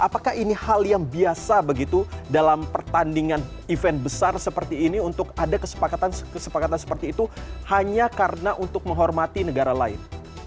apakah ini hal yang biasa begitu dalam pertandingan event besar seperti ini untuk ada kesepakatan seperti itu hanya karena untuk menghormati negara lain